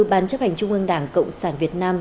ban chấp hành trung ương đảng cộng sản việt nam